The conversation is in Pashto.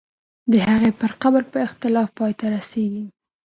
د هغې پر قبر به اختلاف پای ته رسېږي.